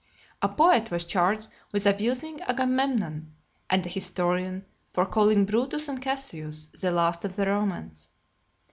A poet was charged with abusing Agamemnon; and a historian , for calling Brutus and Cassius "the last of the Romans."